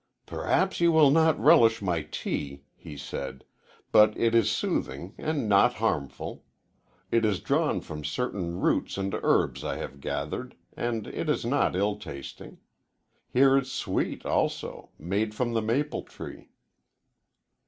"Perhaps you will not relish my tea," he said, "but it is soothing and not harmful. It is drawn from certain roots and herbs I have gathered, and it is not ill tasting. Here is sweet, also; made from the maple tree."